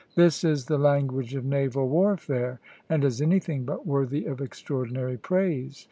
This is the language of naval warfare, and is anything but worthy of extraordinary praise.